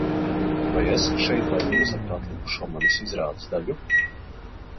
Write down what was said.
Vai esat šeit, lai nozagtu atlikušo manas izrādes daļu?